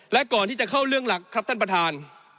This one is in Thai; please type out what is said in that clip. และก่อนที่จะเข้าเรื่องหลักครับท่านประธาน